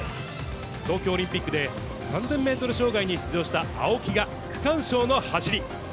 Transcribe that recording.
東京オリンピックで３０００メートル障害に出場した青木が、区間賞の走り。